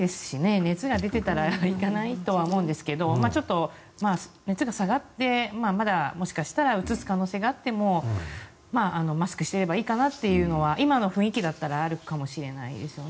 熱が出ていたら行かないとは思うんですがちょっと熱が下がってまだもしかしたらうつす可能性があってもマスクしてればいいかなというのは今の雰囲気だったらあるかもしれないですよね。